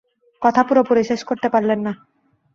কথা পুরোপুরি শেষ করতে পারলেন না।